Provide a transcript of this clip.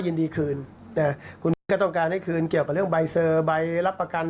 ยินดีคืนนะคุณมิ้นก็ต้องการให้คืนเกี่ยวกับเรื่องใบเซอร์ใบรับประกัน